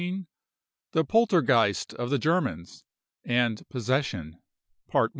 THE POLTERGEIST OF THE GERMANS, AND POSSESSION.